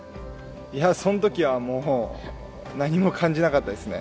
いや、そのときはもう何も感じなかったですね。